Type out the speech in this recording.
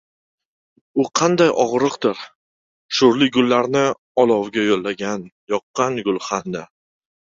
U qanday og‘riqdir, sho‘rlik gullarni Olovga yo‘llagan, yoqqan gulxanni?